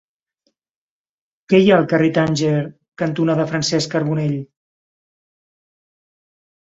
Què hi ha al carrer Tànger cantonada Francesc Carbonell?